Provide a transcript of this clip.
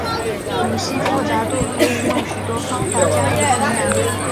游戏复杂度可以用许多方法加以衡量。